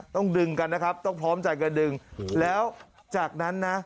ต้องดึงกันนะครับต้องพร้อมใจกันดึงแล้วจากนั้นนะ